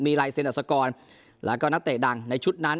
มีลายเซ็นต์นักศักรณ์แล้วก็นักเตะดังในชุดนั้น